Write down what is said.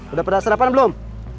udah pada sarapan belom